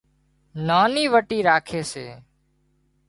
ناني وٽي راکي سي